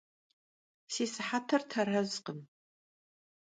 Si sıhetır terezkhım.